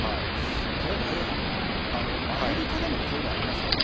これ、アメリカでもこういうのありましたよね。